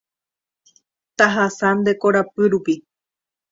Tahasa nde korapy rupi.